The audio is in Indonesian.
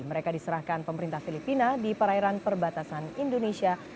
mereka diserahkan pemerintah filipina di perairan perbatasan indonesia